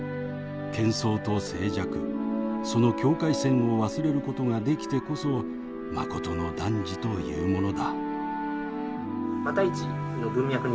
「喧噪と静寂その境界線を忘れることができてこそまことの男児というものだ」。